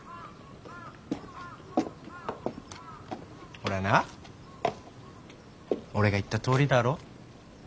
ほらな俺が言ったとおりだろ？